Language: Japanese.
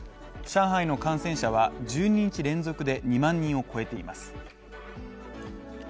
上海の感染者は１０日連続で２万人を超えています。